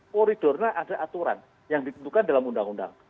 koridornya ada aturan yang ditentukan dalam undang undang